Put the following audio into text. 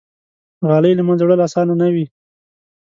غالۍ له منځه وړل آسانه نه وي.